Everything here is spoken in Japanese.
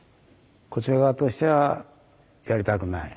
こちら側としてはやりたくない。